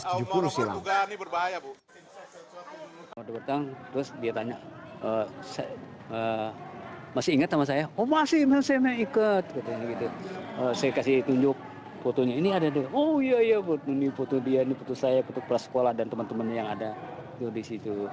ini putus saya putus pelas sekolah dan teman teman yang ada di situ